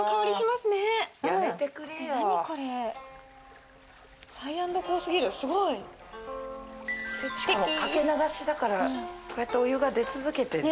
すごい！しかもかけ流しだからこうやってお湯が出続けてんだ。